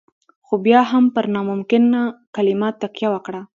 خو بيا يې هم پر ناممکن کلمه تکيه وکړه.